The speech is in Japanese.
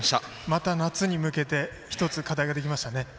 また夏に向けて、一つ課題ができましたね。